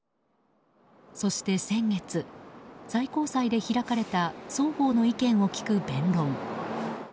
そして、先月最高裁で開かれた双方の意見を聞く弁論。